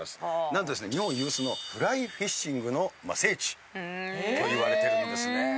なんとですね日本有数のフライフィッシングの聖地といわれてるんですね。